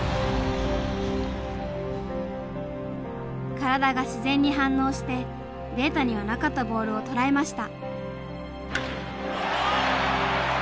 体が自然に反応してデータにはなかったボールを捉えました。